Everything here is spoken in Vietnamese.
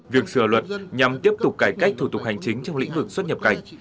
việc sửa luật nhằm tiếp tục cải cách thủ tục hành chính trong lĩnh vực xuất nhập cảnh